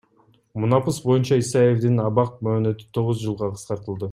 Мунапыс боюнча Исаевдин абак мөөнөтү тогуз жылга кыскартылды.